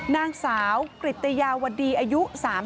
นางสาวกริตยาวดีอายุ๓๐